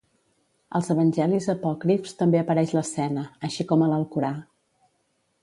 Als evangelis apòcrifs també apareix l'escena, així com a l'Alcorà.